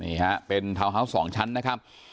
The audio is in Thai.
นี่ฮะเป็นทาวน์ฮาวส์๒ชั้นนะครับ